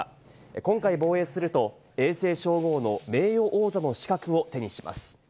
今回、防衛すると永世称号の名誉王座の資格を手にします。